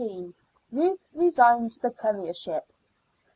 RUTH RESIGNS THE PREMIERSHIP.